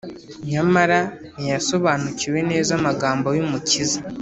Nyamara ntiyasobonukiwe neza amagambo y’Umukiza